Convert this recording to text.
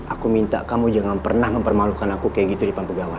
aku minta kamu jangan pernah mempermalukan aku kayak gitu di depan pegawai